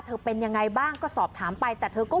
เป็นยังไงบ้างก็สอบถามไปแต่เธอก็